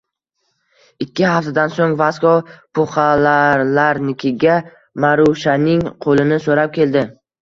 Ikki haftadan soʻng Vasko Puxalalarnikiga Marushaning qoʻlini soʻrab keldi.